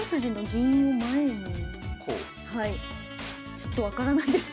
ちょっと分からないですけど。